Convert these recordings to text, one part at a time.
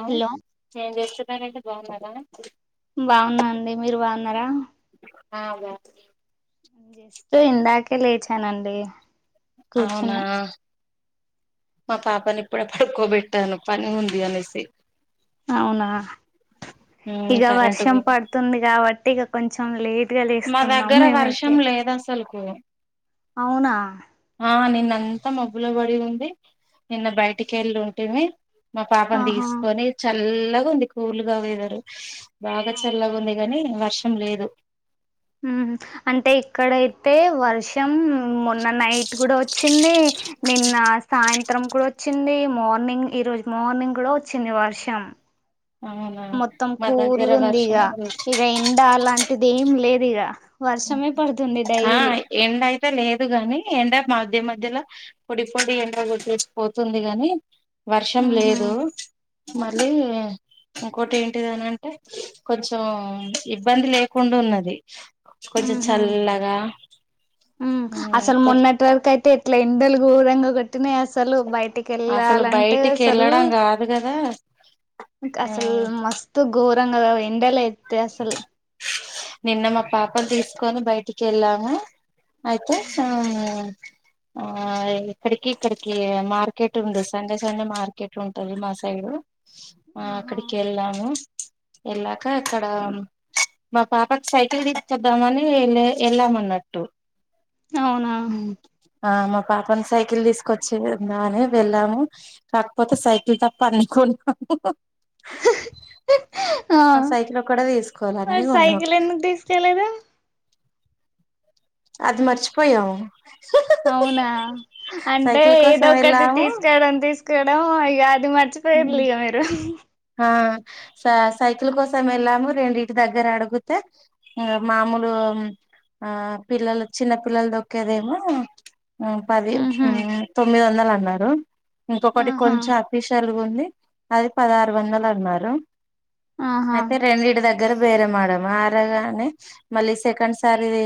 ఆ hello change చేస్తున్నారంటే బాగున్నరా బాగున్నా అండి మీరు బాగున్నారా ఆ బాగున్న జస్ట్ ఇందాకే లేచానండి అవునా కూర్చున్నా మా పాపని ఇప్పుడే పడుకోబెట్టాను పని ఉంది అనేసి అవునా ఉమ్ ఇక కరెంటు వర్షం పోయింది పడుతుంది కాబట్టి ఇక కొంచెం లేట్ ఇగ లేస్తున్నాం మేమైతే లేదసలుకు అవునా ఆ నిన్నంతా మబ్బుల పడి ఉంది నిన్న బయటికి వెళ్ళి ఉంటిమి మా పాపని ఆహా తీసుకొని చల్లగా ఉంది కూల్గా వేదరు బాగా అవునా చల్లగా ఉంది గాని వర్షం లేదు అంటే ఇక్కడైతే వర్షం మొన్న నైట్ కూడా వచ్చింది నిన్న సాయం త్రరం కూడా వచ్చింది మార్నింగ్ ఈరోజు మార్నింగ్ కూడా వచ్చింది వర్షం అవునా మొత్తం మా దగ్గర కూల్గా ఉంది వర్షం ఇక లేదు ఇక ఎండ అలాంటి టిది ఏం లేదు ఇక వర్షమే పడుతుంది ఆ డైలీ ఎండ అయితే లేదు గాని ఎండ మధ్య మధ్యలో పొడి పొడి ఎండ గొట్టేసి పోతుంది గాని వర్షం ఉహు లేదు మళ్ళీ ఇంకోటి ఏంటిది అంటే కొంచెం ఇబ్బంది లేకుండా ఉన్నది కొంచెం ఉహు చల్లగా ఊ కొచ్ ట్వల్ అయితే ఇట్ల ఎండలు గోరంగా కొట్టినయి అసలు బయటికి ఎళ్ళాలంటే అసల్ ను కదా అసలు మస్తు గోరంగ ఎండలు అయితే అసలు నిన్న మా పాపను తీసుకొని బయటికెళ్ళాము. అయితే ఊహు ఆము ఆ ఎక్కడికి ఇక్కడికి మార్కెట్ ఉంది సండే సండే మార్కెట్ ఉంటది మా సైడు ఆ ఆహా అక్కడికెళ్ళాము. ఎళ్ళాక అక్కడ మా పాపకి సైకిల్ తీసుకొద్దామని లె వెళ్ళామన్నట్టు అవునా ఆ మా పాపను సైకిల్ తీసుకొచ్చిందాని వెళ్ళాము కాకపోతే సైకిల్ తప్ప అన్ని కొన్నాము ఆ సైకిల్ ఒక్కటే తీసుకోవాలి మరి అన్ని కొన్నాం సైకిల్ ఎందుకు తీసుకెలేదు అది మర్చిపోయాము. అవునా అంటే సైకిల్ ఏదో కోసం ఒకటి వెళ్ళాము తీసుకోవడం తీసుకోవడం ఇగ అది మర్చి ఉమ్. పోయిరు మీరు. ఆ స సైకిల్ కోసం వెళ్ళాము రెండిటి దగ్గర అడుగితే ఇంగ మామూలు ఆ పిల్లలు చిన్న పిల్లలు దొక్కేదేమో పది ఉహు ఆ తొమ్మిది వందలు అన్నారు. ఇంకొకటి ఆహా కొంచెం అఫీష్ లుగుంది అది పదహారు వందలు అన్నారు. ఆహా అయితే రెండిటి దగ్గర బేరంఆడాం ఆడగానే మళ్ళీ సెకండ్ సారిది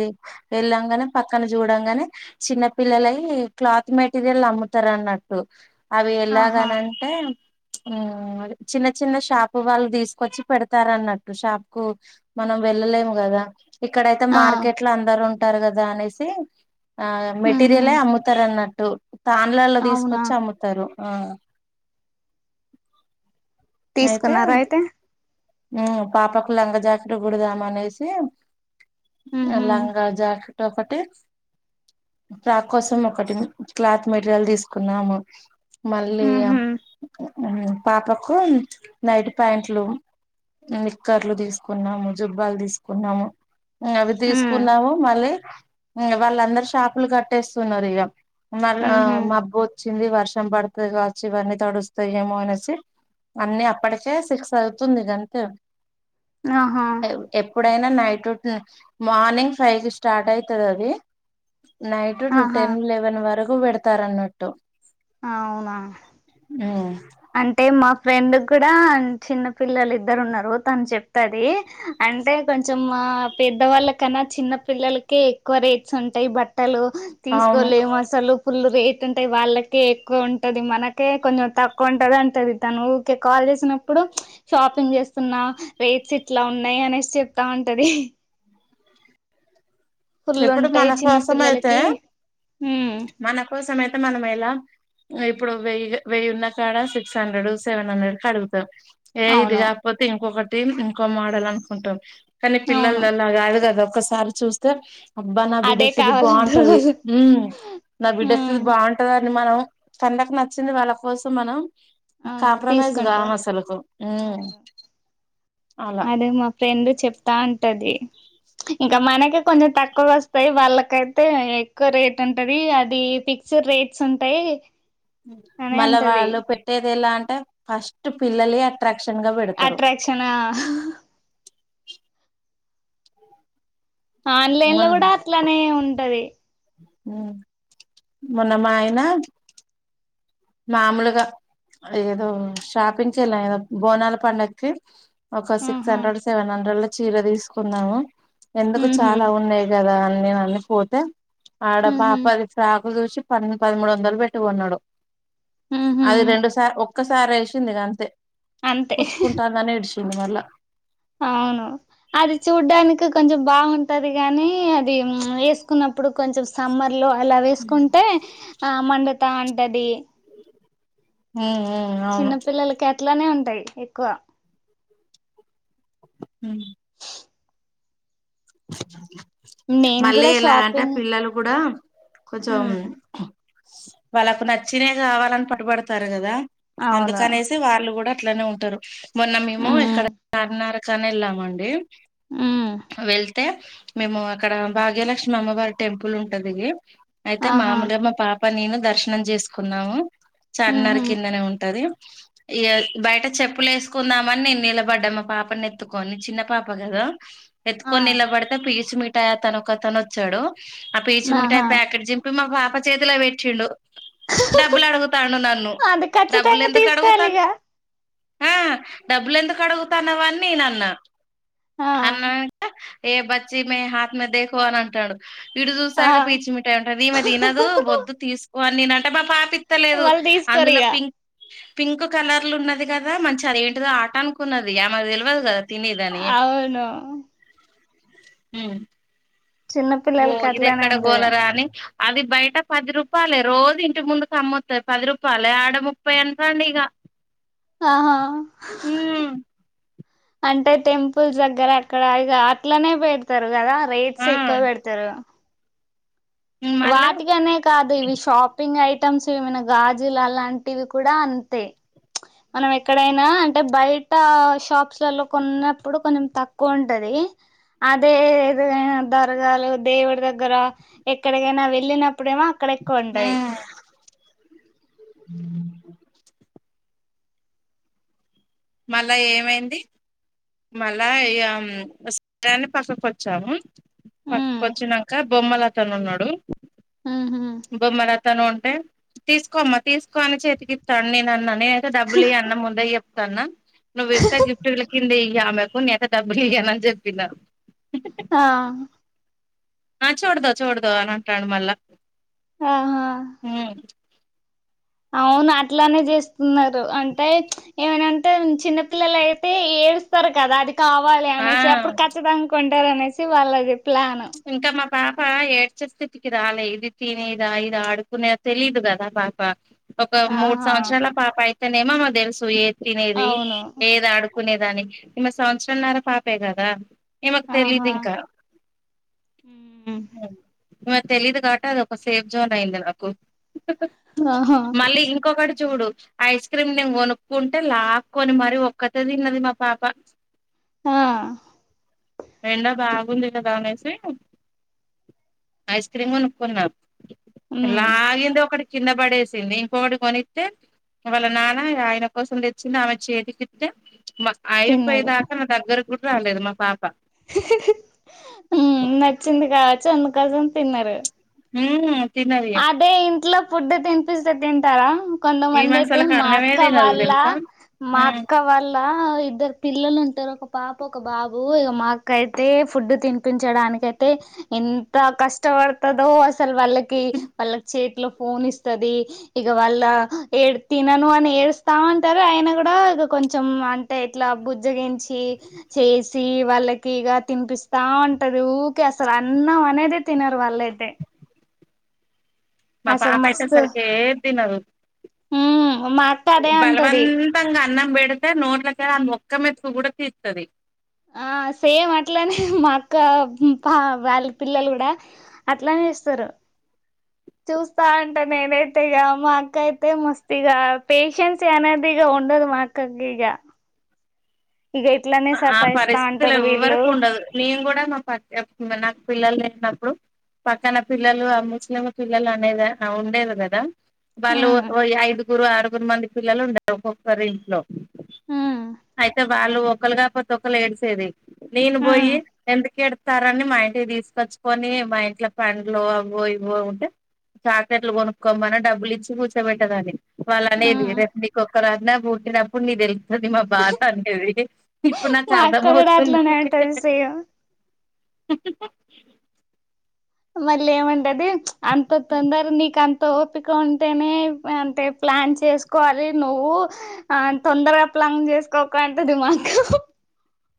వెళ్ళాంగానే పక్కన చూడంగానే చిన్న పిల్లలవి క్లాత్ మెటీరియల్ అమ్ముతారు అన్నట్టు అవి ఆహా ఎలాగనంటే ము చిన్న చిన్న షాప్ వాళ్ళు తీసుకొచ్చి పెడతారు అన్నట్టు షాప్ కు మనం వెళ్ళలేము కదా ఇక్కడయితే ఆ మార్కెట్లో అందరు ఉంటారు కదా అనేసి ఆ ఉహు మెటీరియలే అమ్ముతారు అన్నట్టు తాన్లలలో అవునా తీసుకొచ్చి అమ్ముతారు ఆ తీసుకున్నార అయితే ఊ పాపకు లంగ జాకెట్ కుడదాం అనేసి ఉహు లంగా జాకె ట్ ఒకటి ఫ్రాక్ కోసం ఒకటి క్లాత్ మెటీరియల్ తీసుకున్నాము. మళ్ళీఆ ఉహు పాపకు నైట్ ప్యాంట్లు నిక్కర్లు తీసుకున్నాము జుబ్బాలు తీసుకున్నాము. అవి ఉ తీసుకున్నాము. మళ్ళీ వాళ్ళందరు షాపులు కట్టేస్తున్నారు. ఇగ మళ్ళా ఉహు మబ్బు వోచ్చింది వర్షం పడుతది కావచ్చు ఇవన్నీ తడుస్తాయేమో అనేసి అన్నీ అప్పటికే సిక్స్ అవుతుంది గంతే ఆహా ఎప్పుడైనా నైట్ మార్నింగ్ ఫైవ్ కి స్టార్ట్ అయితది అది నైటు ఆహా టెన్ లెవెన్ వరకు పెడతారు అన్నట్టు అవునా ఆ అంటే మా ఫ్రెండ్కూడ చిన్న పిల్లలు ఇద్దరు ఉన్నారు తను చెప్తది. అంటే కొంచెం మా పెద్దవాళ్ళకన్నా చిన్న పిల్లలకే ఎక్కువ రేట్స్ ఉంటాయి. బట్టలు అవును తీసుకోలేము అసలు పుల్లు రేట్ ఉంటాయి వాళ్ళకే ఎక్కువ ఉంటుంది మనకే కొంచెం తక్కు వ ఉంటది అంటది తను ఊకే కాల్ చేసినప్పుడు షాపింగ్ చేస్తున్నా రేట్స్ ఇట్లా ఉన్నాయి అనేసి చెప్తా ఉంటది ఫుల్ చెప్పుడు ఉంటాయి మన చిన్న కోసమైతే పిల్లలకి ఉమ్ మన కోసం అయితే మనం ఎలా ఇప్పుడు వెయ్యి వెయ్యి ఉన్నకాడ సిక్సహండ్రెడ్ సెవెన్ హండ్రెడ్ కీ అడుగుతారు. ఏ ఇది అవును కాకపోతే ఇంకొకటి ఇంకో మోడల్ అనుకుంటాం. కానీ అవును పిల్లల అలా కాదు కదా ఒకసారి చూస్తే అబ్బ అదే నాబిడ్డకిది కావాలంటారు బావుంటది వాళ్ళు ఉ ఉమ్ నాబిడ్డకిది బాగుంట ది మనం కండ్లకు నచ్చింది వాళ్ళ కోసం మనం అవును కాంప్రమైస్ తీసుకుంటా కామసలుకు ఊ అవును అలా అదే మా ఫ్రెండ్ చెప్తా అంటది ఇంకా మనకి కొంచెం తక్కువ వస్తాయి వాళ్ళకై అయితే ఎక్కువ రేట్ ఉంటది అది ఫిక్స్డ్ రేట్స్ ఉంటాయి అని మళ్ళా అంటది వాళ్ళు పెట్టేది ఎలా అంటే ఫస్ట్ పిల్లలె అట్రాక్షన్ గా పెడ అట్రాక్షనా ఆన్లైన్ లో మొన్ కూడ అట్లానే ఉంటది ఉ మొన్న మా ఆయనా మామూలగా ఏదో షాపింగ్కి వెళ్ళాం ఏదో బోనాల పండగకి ఒక సిక్స్ ఆహా హండ్రెడ్ సెవెన్ హండ్రెడ్ లో చీర తీసుకున్నాను ఎందుకు ఉహు చాలా ఉన్నాయి కదా అని నేను అని పోతే ఆడ ఉహు పాపది ఫక్ క్క చూసి ప పదమూడు వందలు పెట్టి కొన్నాడు ఉహు అది రెండు సార్ ఒక్కసారి ఏడ్సింది అంతే అంతే కుచుకుంటాందని ఏడిచింది మళ్ళా ఆవును అది చూడ్డానికి కొంచెం బాగుంటది గాని అది వేసుకున్నప్పుడు కొంచం సమ్మర్ అలా ఉమ్ వేసుకుంటే ఆ మండతా ఉంటది మ్ మ్ చిన్నపిల్లలకి అట్లనే ఉంటాయి ఎక్కువ హ నేను మళ్ళీ కూడా ఎలా అంటే షాపింగ్ పిల్లలు కూడ కొంచం ఉమ్ వాళ్ళకు నచ్చినవె కావాలని పట్టుబడతారు కదా అవును అందుకనేసి వాళ్ళు కూడ అట్లానే ఉంటారు మొన్న మేము ఇక్కడ ఉమ్ చార్మినార్ చనె వెళ్ళామండి ఉమ్ వెళ్ అయితే మేము అక్కడ భాగ్యలక్ష్మి అమ్మవారి టెంపుల్ ఉంటది అయితే ఆహా మామూల్గ మా పాప నేను దర్శనం చేసుకున్నాము చార్మినార్ ఉహు కిందనే ఉంటది ఇ బయట చెప్పులు వేసుకుందామని నేను నిలబడ్డా మా పాపని ఎత్తుకొని చిన్న పాప కదా ఎ ఆ కొన్ నిలబడితే పీచిమిిఠాయి అతను ఒకతను వచ్చాడు ఆ పీచిమిిఠాయి ఆహా ప్యాకెట్ జం ఇప్పుడు మా పాప చేతిల పెట్టిండు డబ్బులు అడుగుతాండు నన్ను అది డబ్బులు ఖచ్చితంగా ఎందుకు తీసుకోవాలి అడుగుతాను ఇగ ఆ డబ్బులు ఎందుకు అడుగుతానువన్నీ నన్న ఆ అన్న ఏ బచ్చీ మ హాత్ మే దేకో అని అంటాడు విడు ఆ చూసారుక పీఛి మిట్టాయయి ఉంటుంది ఈమె తినదు వద్దు తీసుకోని నేనంట మా పాపి స్తలేదు వాళ్ళు తీసుకోరు అందులో ఇగ పింక్ పింక్ కలర్లు ఉన్నది కదా మంచి అది ఏంటిదో ఆట అనుకున్నది ఆమేక్ తెల్వదు కదా తినేదని అవును ఉ చిన్న ఓ పిల్లలకి అట్లానే ఇదెక్కడ ఉంటది గోలరా అని అది బయట పది రూపాయలే రోజు ఇంటి ముందు అమ్మొతది పది రూపాయలే ఆడ ముప్పై అంటండి ఇక ఆహ ఉమ్ అంటే టెంపుల్స్ దగ్గర అక్కడ ఇగ అట్లనే పెడతారు కదా రేట్స్ ఆ ఎక్కువ పెడతారు మళ్ళా వాటికి అనే కాదు ఇవి షాపింగ్ ఐటమ్స్ ఏమైనా గాజులు అలాంటివి కూడా అంతే మనం ఎక్కడైనా అంటే బయట షాప్స్లలో కొన్నప్పుడు కొంచెం తక్కువ ఉంటది అదే ఏదనా దర్గాలు దేవుడి దగ్గర ఎక్కడికైనా వెళ్ళినప్పుడేమో అక్కడ ఎెక్కువ ఉంటయి ఉమ్ మళ్ళా ఏమైంది మళ్ళా ఇక ఫస్ట్ టైమ్ పక్కకొచ్చాము హ్మ్. పక్కకు వచ్చినాక బొమ్మల అతను ఉన్నాడు ఉహుమ్ బొమ్మలతను ఉంటే తీసుకోమ్మా తీసుకో అని చేతికి ఇత్తండు నేను అన్నా నేనే అయితే డబ్బులు ఇయ్య అన్న ముందే చెప్తాన్న నువ్ ఇస్తా గిఫ్ట్ ల కింద ఇయ్యి ఆమెకు డబ్బులు ఇయ్యనని చెప్పినరు ఆ ఆ చోడదా చోడదా అని అంటాడు మళ్ళా ఆహా హ్మ్ అవును అట్లానే చేస్తున్నారు అంటే ఏమైనంటే చిన్నపిల్లల అయితే ఏ డుస్తారు కదా అది కావాలి ఆ అనేసి అప్పుడు ఖచ్చితంగా కొంటారు అనేసి వాళ్ళది ప్లాను ఇంకా మా పాప ఏడ్చే స్థితికి రాలే ఇది తినేదా ఇది ఆడుకునేదా తెలీయదు కదా పాప ఒక మూడు ఆహా సంవత్సరాల పాప అయితేనేమో ఆమెకు తెలుసు ఏ తినేది అవును ఏది ఆడు కునేదాన్ని ఈమె సంవత్సరంన్నర పాపే కదా ఈమెకు తెలీదు ఇంకా ఉమ్ ఈమెకు తెలీదు కదా అది ఒక సేఫ్ జోన్ అయింది నాకు ఆహా మళ్ళీ ఇంకొకటి చూడు ఐస్ క్రీమ్ నేను కొనుక్కుంటే లాక్కొని మరి ఒక్కతే తిన్నది మా పాప ఆ ఎండా బాగుంది కదా అనేసి ఐస్ క్రీమ్ కొనుక్కున్నారు ఉమ్ లాగింది ఒకటి కింద పడేసింది ఇంకొకటి కొనిత్తే వాళ్ళ నాన్న ఆయన కోసం తెచ్చింది ఆమె చేతికి ఇత్తే అయిపోయే తిన్నది దాకా నా దగ్గర కూడా రాలేదు మా పాప ఉమ్ నచ్చింది కావచ్చు అందుకోసం తిన్నారు హ్మ్ తిన్నది ఇగ బే ఇంట్లో ఫుడ్ తినిపిస్తే తింటారా ఈమె కొంతమంది అయితే అసలుకి మా అన్నమే అక్క తినదు వాళ్ళ తెలుసా మా మ్మ్ అక్క వాల్ ఆ ఇద్దరు పిల్లలు ఉంటారు ఒక పాప ఒక బాబు ఇగ మా అక్క అయితే ఫుడ్ తి తినిపించడానీకయితే ఎంత కష్టపడుతుందో అసలు వాళ్ళ కి వాళ్లకి చేతిలో ఫోన్ ఇస్తది ఇగ వాళ్ళ ఏడు తినను అని ఏడుస్తామంటారు ఆయన కూడా ఇగ కొంచెం అ టే ఇట్లా బుజ్జగించి చేసి వాళ్ళకి ఇగ తినిపిస్తా ఉంటది ఊకే అసలు అన్నం అనేదే తినరు వాళ్ళయితే మా అసలు పాప అయితే మస్తు అసల్కి ఏం దినదు ఉమ్ మా అక్క అదే అంటది బలవంత నింగా అన్నం పెడితే నోట్లక అ మొక్క మెతుకు కూడా తీత్తది ఆ సేమ్ అట్లనే మా అక్క పా వాళ్ళ పిల్లలు కూడా అట్లానే ఇస్తారు చూస్తా ఉంట నేనైతే ఇగ మా అక్క అయితే మస్తీగా పేషన్స్ అనేదిగా ఉండదు మాక్ కంగిగా ఆ సతాయిస్తా పరిస్థితి అంటారు వీళ్ళు ఎవ్వరికు ఉండదు నేను కూడా మా పక్క నాకు పిల్లలు లేనప్పుడు పక్కన పిల్లలు ఆ ముస్లిం పిల్లలు అనేది ఉండేది కదా వాళ్ళు ఉమ్ ఐదుగురు ఆరుగురు మంది పిల్లలు ఉండారు ఒక్కొక్కారి ఇంట్లో ఉమ్ అయితే వాళ్ళు ఒకళ్ళు కాకపోతే ఒక్కళ్ళు ఏడిసేది నేను ఉమ్ పోయి ఎందు కేడ్ స్తారని మా ఇంటికి తీసుకొచ్చుకొని మా ఇంట్లో పండ్లు అవ్వో ఇవ్వో ఉంటే చాక్లెట్లు కొనుక్కోమని డబ్బులు ఇచ్చి కూర్చోబెట్టదాని వాళ్ళ అనేది ఉమ్ రేప్ నీ కొక్కరన్న పుట్టినప్పుడు నీ తెలుస్తది మా బాధ అనేది ఇప్పుడు నాకు మా అక్క అర్థం కూడా అవుతుంది అట్లనే అంటది సేమ్ మళ్ళీ ఏమంటది అంత తొందర నీకంత్ తొ ఓపిక ఉంటేనే అంటే ప్లాన్ చేసుకోవాలి నువ్వు ఆ తొందర ప్లాన్ చేసుకోకు అని అంటది మా అక్క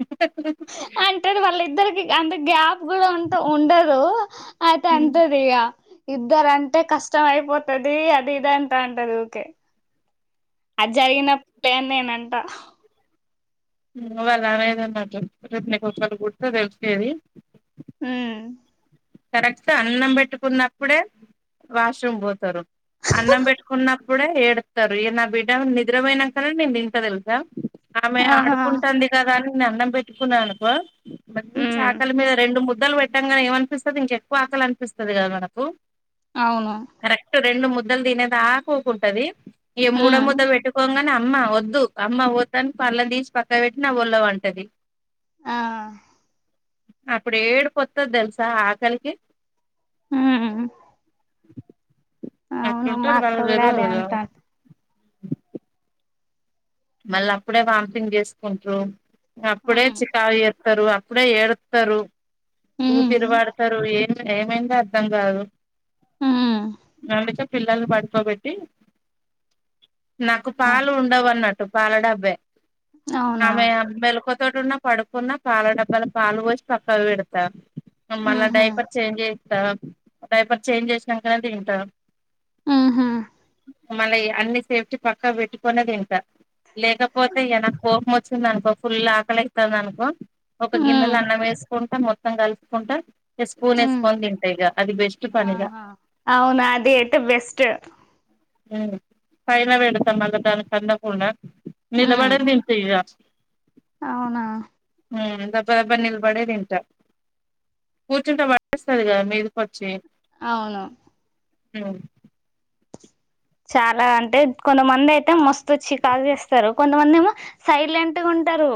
ఇకితక్కులేసి అంటది వాళ్ళ ఇద్దరికి అంత గ్యాప్ కూడ ఉంట ఉండదూ అయితే అంటది ఇగ ఇద్దరంటే కష్టం అయిపోతదీ అది ఇది అంటాంటది ఊకే అది జరిగినప్ ఏ నేనంట హ్మ్ వాళ్ళ నాన్న ఇదే మాట రేప్ నీకొక్కరు పుడితే తెలిసేది హ్మ్ కరెక్ట్ అన్నం పెట్టుకున్నప్పుడే వాష్రూమ్ పోతరు అన్నం పెట్టుకున్నప్ ప్పుడే ఏడుత్తరు ఈ నా బిడ్డ నిద్రపోయినంకనే నేను తింటా తెలుసా ఆమె ఆహా ఆడుకుంటాంది కదా అని నేను అన్నం పెట్టుకున్నానుకో మంచి ఉమ్ ఆకలి మీద రెండు ముద్దలు పెట్టంగానే ఏం అనిపిస్ పది ఇంక ఎక్కువ ఆకలి అనిపిస్తది కదా మనకు అవును కరెక్ట్ రెండు ముద్దలు తినేదాక ఊకుంటది ఈ మూడో ఉమ్ ముద్ద పెట్టుకోంగా న అమ్మ వద్దు అమ్మ వద్దని పల్లం తీసి పక్క పెట్టి నా ఒళ్లో పంటది ఆ అప్పుడు ఏడుపు వత్తది తెల్సా ఆకలికి హ్మ్ అవును మా అట్లుంటారు అక్క వాళ్ళు కూడ తెల్వదు అదే కదా అంట మళ్ళ అప్పుడే వాంథింగ్ చేసుకుంట్రు అప్పుడే ఉమ్ చికాకూ చేత్తరు ఇప్పుడే ఏడుత్తరు ఉమ్ ఊపిరి పడతరు ఏం ఏమైందో అర్థం కాదు హ్మ్ అందుకె పిల్లలనీ పడుకోబెట్టి నాకు అవును. పాలు ఉండవు అన్నట్టు పాల డబ్బే అవునా ఆమె మెలుకో తోటున్న పడుకున్న పాల డబ్బాల పాలు పోసి పక్కకి పెడతా మళ్ళ ఊహు డైపర్ చేంజ్ చేత్తా డైపర్ చేంజ్ చేసినంకనే తింటా ఆహా మళ్ళీ అన్ని సేఫ్టీ పక్క పెట్టుకోనె తింటా లేకపోతే ఇగ నాక్ కోపమోత్ చిందనుకో ఫుల్ ఆకలి అయితాంది అనుకో ఒక గిన్నెల హ్మ్ అన్నం వేసుకొన్ మొత్తం కలుపుకుంట ఇంగ స్పూన్ హ్మ్ వేసుకొని తింటా ఇగ అది బెస్ట్ పని ఇగ అవును అది అయితే బెస్ట్ హ్మ్ పైన పెడతా మళ్ళా దానికి అందకుండా హ్మ్ నిలబడె తింటి ఇగ అవునా ఉ దబ్బ దబ్బ నిల్బడే తింటా కూర్చుంటె పడేస్తది కదా మీదికొచ్చి అవును ఉ చాలా అంటే కొంతమంది అయితే మస్తు చికాకు తెస్తరు కొంతమంది ఏమో సైలెంటు గుంటరు